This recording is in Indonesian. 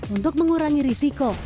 untuk mengurangi risiko